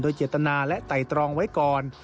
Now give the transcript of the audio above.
โดยเจตนาและไต่ตรองไว้ก่อน